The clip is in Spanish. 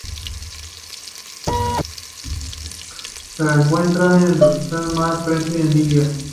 Se encuentra en Rajasthan y Madhya Pradesh en India.